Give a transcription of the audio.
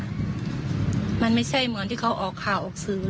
และที่สำคัญก็มีอาจารย์หญิงในอำเภอภูสิงอีกเหมือนกัน